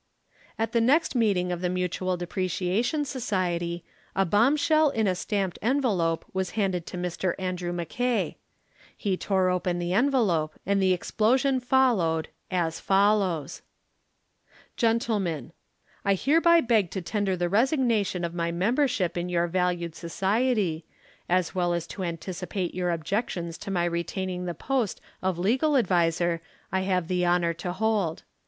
At the next meeting of the Mutual Depreciation Society, a bombshell in a stamped envelope was handed to Mr. Andrew Mackay. He tore open the envelope and the explosion followed as follows: "GENTLEMEN, "I hereby beg to tender the resignation of my membership in your valued Society, as well as to anticipate your objections to my retaining the post of legal adviser I have the honor to hold.